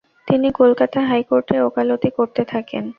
তিনি কলকাতা হাইকোর্টে ওকালতি করতে থাকেন ।